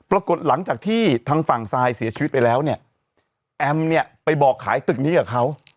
ปรากฏหลังจากที่ทางฝั่งซายเสียชีวิตไปแล้วเนี่ยแอมเนี่ยไปบอกขายตึกนี้กับเขา